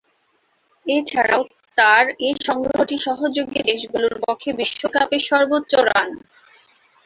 এছাড়াও তার এ সংগ্রহটি সহযোগী দেশগুলোর পক্ষে বিশ্বকাপে সর্বোচ্চ রান।